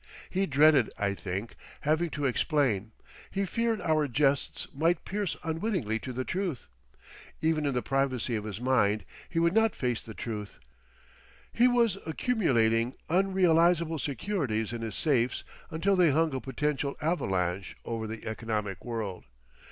He dreaded, I think, having to explain, he feared our jests might pierce unwittingly to the truth. Even in the privacy of his mind he would not face the truth. He was accumulating unrealisable securities in his safes until they hung a potential avalanche over the economic world.